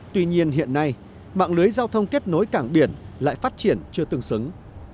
tuy nhiên hiện nay mạng lưới giao thông kết nối cảng biển lại phát triển chưa tương xứng